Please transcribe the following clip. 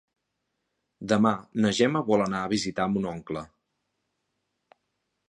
Demà na Gemma vol anar a visitar mon oncle.